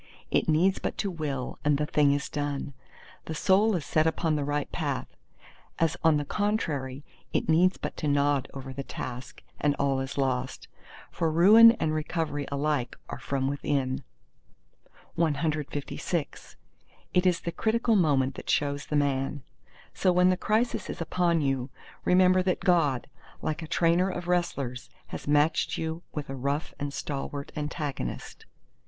It needs but to will, and the thing is done; the soul is set upon the right path: as on the contrary it needs but to nod over the task, and all is lost. For ruin and recovery alike are from within. CLVII It is the critical moment that shows the man. So when the crisis is upon you, remember that God, like a trainer of wrestlers, has matched you with a rough and stalwart antagonist.